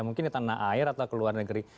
mungkin di tanah air atau ke luar negeri